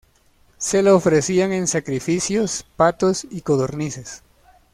Se le ofrecían en sacrificios patos y codornices.